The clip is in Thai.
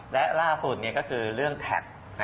และล่าสุดก็คือเรื่องแท็ก